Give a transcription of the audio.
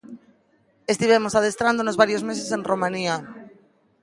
Estivemos adestrándonos varios meses en Romanía.